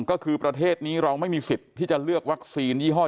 ก็คือประเทศนี้เราไม่มีสิทธิ์ที่จะเลือกวัคซีนยี่ห้อ